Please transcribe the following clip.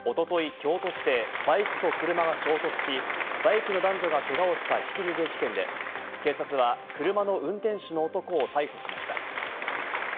京都市でバイクと車が衝突し、バイクの男女がけがをしたひき逃げ事件で、警察は車の運転手の男を逮捕しました。